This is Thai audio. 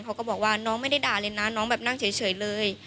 เขาก็บอกว่าน้องไม่ได้ด่าเลยนะน้องแบบนั่งเฉยเลย